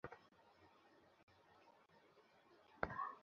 গরীবের জন্য উপরে আসতে মাত্র দুইটা রাস্তা আছে, জুলুম অথবা পলিটিক্স।